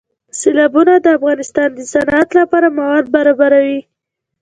سیلابونه د افغانستان د صنعت لپاره مواد برابروي.